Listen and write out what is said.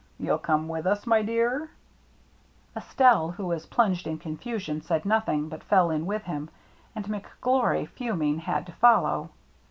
You'll come with us, my dear ?" Estelle, who was plunged in confusion, said nothing, but fell in with him. And McGlory, fuming, had to follow.